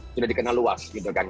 sudah dikenal luas gitu kan